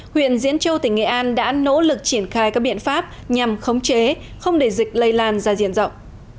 huyện diễn châu tỉnh nghệ an đã nỗ lực triển khai các biện pháp nhằm khống chế không để dịch lây lan ra diện rộng